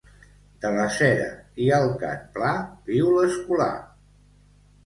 De la cera i el cant pla viu l'escolà.